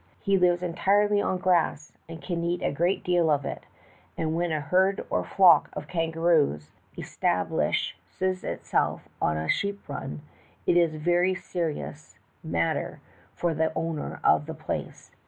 He lives entirely on grass, and can eat a great deal of it, and when a herd or flock of kangaroos estab A BATTLE WITH A KANGAROO. 237 lishes itself on a sheep run, it is a very serious mat ter for the owner of the place.